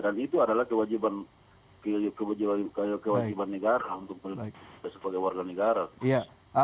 dan itu adalah kewajiban negara untuk melindungi kita sebagai warga negara